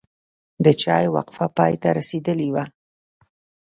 د چای وقفه پای ته رسیدلې وه.